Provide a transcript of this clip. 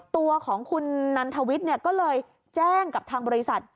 ตัวของคุณนันทวิทย์ก็เลยแจ้งกับทางบริษัท